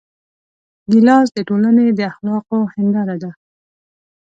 ګیلاس د ټولنې د اخلاقو هنداره ده.